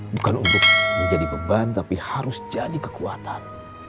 bukan untuk menjadi beban tapi harus jadi kekuatan